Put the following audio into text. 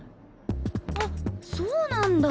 あそうなんだ。